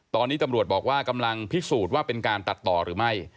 ตอนนี้ตำรวจบอกว่ากำลังพิสูจน์ว่าเป็นการตัดต่อหรือไม่